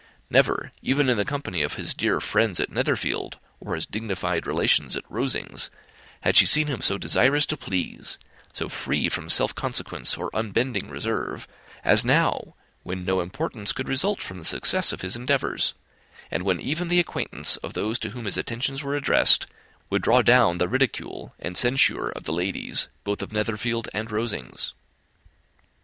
Never, even in the company of his dear friends at Netherfield, or his dignified relations at Rosings, had she seen him so desirous to please, so free from self consequence or unbending reserve, as now, when no importance could result from the success of his endeavours, and when even the acquaintance of those to whom his attentions were addressed, would draw down the ridicule and censure of the ladies both of Netherfield and Rosings.